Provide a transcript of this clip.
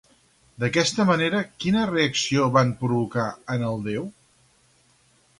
D'aquesta manera, quina reacció van provocar en el déu?